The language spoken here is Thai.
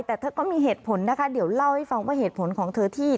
แต่เธอก็มีเหตุผลนะคะเดี๋ยวเล่าให้ฟังว่าเหตุผลของเธอที่